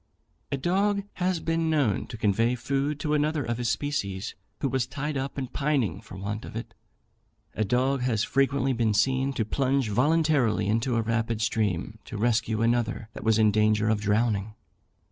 A dog has been known to convey food to another of his species who was tied up and pining for want of it. A dog has frequently been seen to plunge voluntarily into a rapid stream, to rescue another that was in danger of drowning.